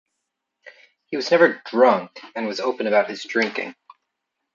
He was never "drunk" and was open about his drinking.